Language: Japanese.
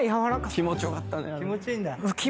気持ち良かったねあれ。